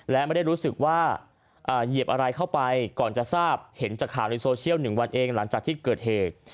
และไม่ได้รู้สึกว่าเหยียบอะไรเข้าไปก่อนจะทราบเห็นจากข่าวในโซเชียล๑วันเองหลังจากที่เกิดเหตุ